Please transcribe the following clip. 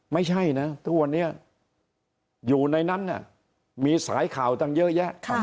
ไม่ใช่นะทุกวันนี้อยู่ในนั้นมีสายข่าวตั้งเยอะแยะ